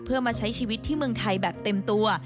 เพื่อมาใช้ชีวิตที่เมืองไทยแบบเต็มตัว